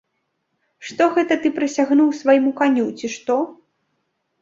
Што гэта ты прысягнуў свайму каню, ці што?